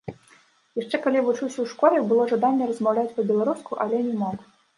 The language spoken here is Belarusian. Яшчэ калі вучыўся ў школе, было жаданне размаўляць па-беларуску, але не мог.